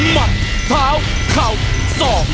มัดเท้าเข่าสอก